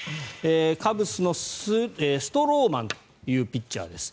カブスのストローマンというピッチャーです。